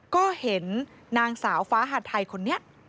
ก็เห็นนางสาวฟ้าหาดไทยคนนี้